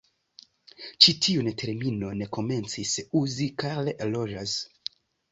Ĉi tiun terminon komencis uzi Carl Rogers.